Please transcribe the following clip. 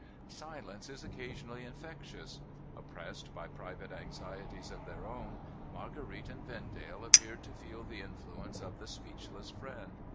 Silence is occasionally infectious. Oppressed by private anxieties of their own, Marguerite and Vendale appeared to feel the influence of the speechless friend.